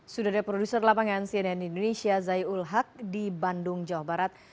sudah ada produser lapangan cnn indonesia zai ul haq di bandung jawa barat